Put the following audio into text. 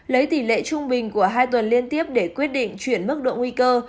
lấy tỷ lệ trung bình của hai tuần liên tiếp để quyết định chuyển mức độ nguy cơ